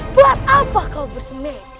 buat apa kau bersemedi